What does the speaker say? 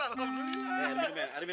harimilah harimilah harimilah